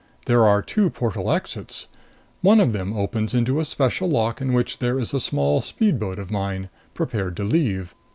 There are two portal exits. One of them opens into a special lock in which there is a small speedboat of mine, prepared to leave.